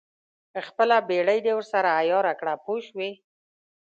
خپله بېړۍ دې ورسره عیاره کړه پوه شوې!.